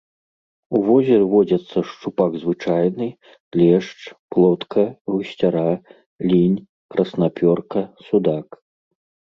У возеры водзяцца шчупак звычайны, лешч, плотка, гусцяра, лінь, краснапёрка, судак.